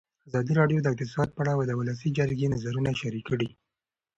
ازادي راډیو د اقتصاد په اړه د ولسي جرګې نظرونه شریک کړي.